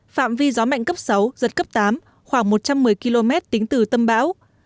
phạm vi gió mạnh cấp sáu giật cấp tám khoảng một trăm một mươi km tính từ tâm bão